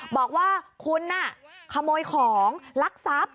บอกว่าคุณน่ะขโมยของลักษัพ